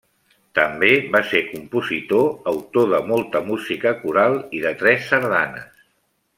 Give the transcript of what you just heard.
També va ser compositor, autor de molta música coral i de tres sardanes.